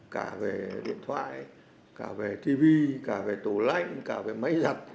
cả về điện thoại cả về tv cả về tủ lạnh cả về máy giặt